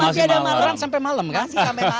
masih ada malam sampai malam kan